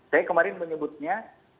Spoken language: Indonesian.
saya kemarin menyebutnya